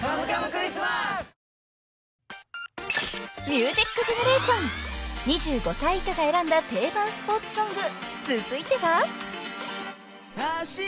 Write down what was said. ［『ミュージックジェネレーション』２５歳以下が選んだ定番スポーツソング続いては］